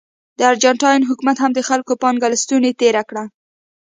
د ارجنټاین حکومت هم د خلکو پانګه له ستونې تېره کړه.